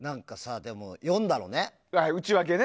でも、読んだのね。